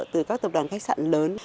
từ các tập đoàn khách sạn lớn